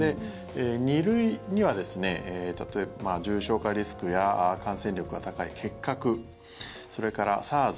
２類には、例えば重症化リスクや感染力が高い結核それからＳＡＲＳ